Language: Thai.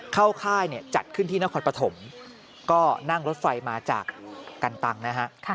ค่ายเนี่ยจัดขึ้นที่นครปฐมก็นั่งรถไฟมาจากกันตังนะฮะ